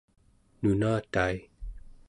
nunatai